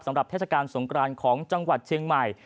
เทศกาลสงกรานของจังหวัดเชียงใหม่